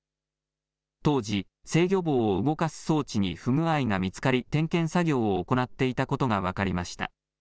当時、制御棒を動かす装置に不具合が見つかり、点検作業を行っていたことが分かりました。